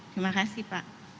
terima kasih pak